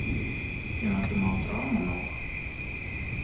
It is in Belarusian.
Ён атрымаў траўму ног.